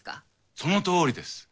そのとおりです。